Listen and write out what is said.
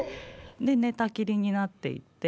で寝たきりになっていって。